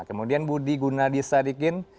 kemudian budi gunadisadikin